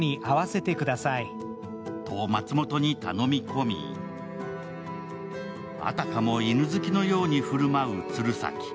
はと松本に頼み込み、あたかも犬好きのように振る舞う鶴崎。